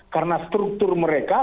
karena struktur mereka